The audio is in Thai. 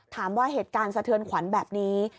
ถามว่าเหตุการณ์สะเทือนขวัญแบบนี้